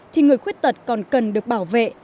thì người khuyết tật còn cần được bảo vệ